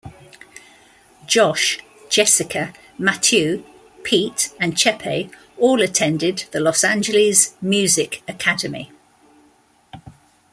Josh, Jessica, Matthieu, Pete, and Chepe all attended the Los Angeles Music Academy.